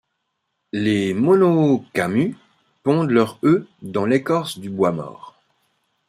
Les monochamus pondent leurs œufs dans l'écorce du bois mort.